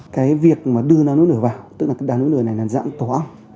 cái việc mà đưa đá núi lửa vào tức là cái đá núi lửa này là dạng tỏa